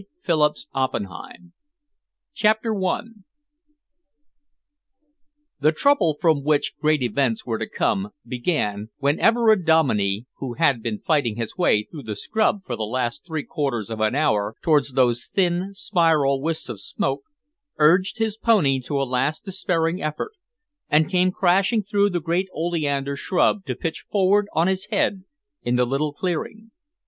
Phillips Oppenheim First published 1920. THE GREAT IMPERSONATION CHAPTER I The trouble from which great events were to come began when Everard Dominey, who had been fighting his way through the scrub for the last three quarters of an hour towards those thin, spiral wisps of smoke, urged his pony to a last despairing effort and came crashing through the great oleander shrub to pitch forward on his head in the little clearing.